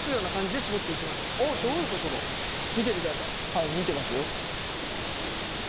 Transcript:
はい見てますよ。